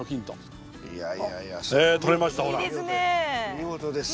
見事です。